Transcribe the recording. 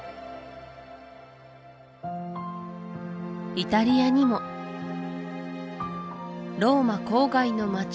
イタリアにもローマ郊外の街